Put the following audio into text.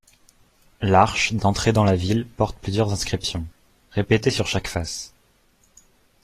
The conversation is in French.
L'arche d'entrée dans la ville porte plusieurs inscriptions, répétées sur chaque face.